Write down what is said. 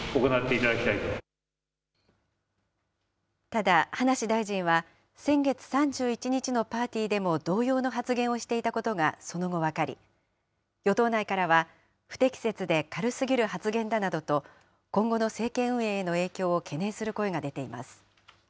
ただ、葉梨大臣は、先月３１日のパーティーでも同様の発言をしていたことがその後分かり、与党内からは、不適切で軽すぎる発言だなどと、今後の政権運営への影響を懸念する声が出ています。